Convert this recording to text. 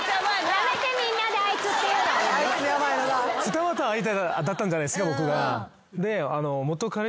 ２股相手だったじゃないですか僕が。